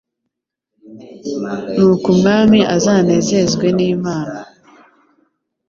Nuko umwami azanezezwe n’Imana